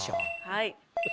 はい。